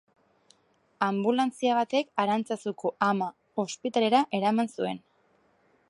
Anbulantzia batek Arantzazuko Ama Ospitalera eraman zuen.